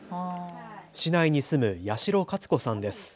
市内に住む八代勝子さんです。